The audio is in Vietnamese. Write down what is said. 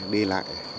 đi lại sinh hoạt